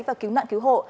và cứu nạn cứu hộ